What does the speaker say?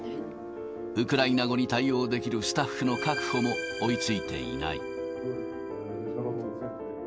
ウクライナ語に対応できるスタッフの確保も追いついていない。